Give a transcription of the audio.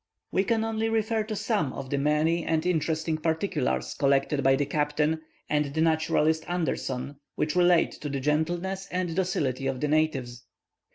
We can only refer to some of the many and interesting particulars collected by the captain and the naturalist Anderson, which relate to the gentleness and docility of the natives.